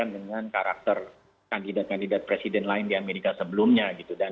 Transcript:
dengan karakter kandidat kandidat presiden lain di amerika sebelumnya